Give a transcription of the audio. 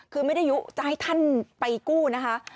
คือไม่ได้ยุจะให้ท่านไปกู้นะคะ